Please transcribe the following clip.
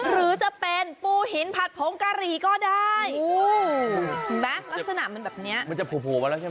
หรือจะเป็นปูหินผัดผงกะหรี่ก็ได้เห็นไหมลักษณะมันแบบเนี้ยมันจะโผล่มาแล้วใช่ไหม